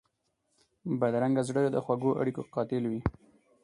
بدرنګه زړه د خوږو اړیکو قاتل وي